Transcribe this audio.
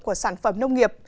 của sản phẩm nông nghiệp